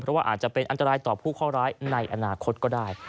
เพราะว่าอาจจะเป็นอันตรายต่อผู้ข้อร้ายในอนาคตก็ได้